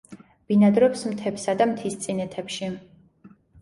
ბინადრობს მთებსა და მთისწინეთებში.